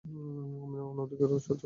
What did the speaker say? আমি অনধিকার চর্চা করব না!